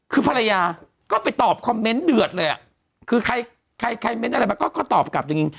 คือภรรยาก็ไปตอบคอมเมนต์เดือดเลยอ่ะคือใครใครเม้นต์อะไรมาก็ตอบกลับจริง